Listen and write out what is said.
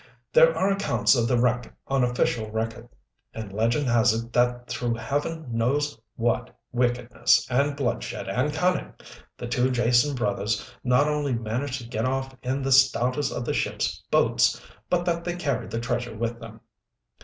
There are accounts of the wreck on official record. And legend has it that through Heaven knows what wickedness and bloodshed and cunning, the two Jason brothers not only managed to get off in the stoutest of the ship's boats, but that they carried the treasure with them.